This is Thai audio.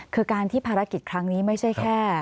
คือการที่ภารกิจครั้งนี้ไม่ใช่แค่